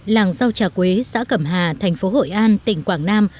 làng rau trà quế giã cẩm hà thành phố hội an tỉnh quảng nam